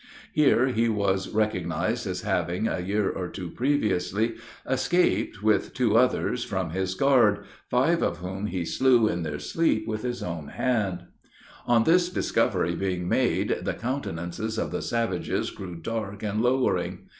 Here he was recognized as having, a year or two previously, escaped, with two others, from his guard, five of whom he slew in their sleep with his own hand. On this discovery being made, the countenances of the savages grew dark and lowering.